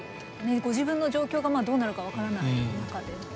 ご自分の状況がどうなるか分からない中での。